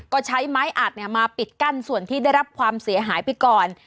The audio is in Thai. ก็ใช้ไม้อัดมาปิดกั้นส่วนที่ได้รับความเสียหายไปก่อน